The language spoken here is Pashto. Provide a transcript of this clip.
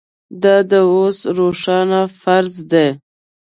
دا د اودس روښانه فرض دی